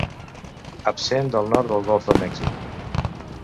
Absent del nord del Golf de Mèxic.